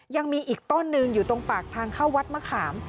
ยังมีอีกต้นหนึ่งอยู่ตรงปากทางเข้าวัดมะขาม